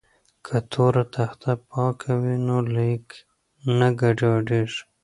که تور تخته پاکه وي نو لیک نه ګډوډیږي.